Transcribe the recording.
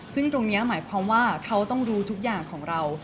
ซึ่งตรงนี้หมายความว่าเขาต้องดูทุกอย่างของเรา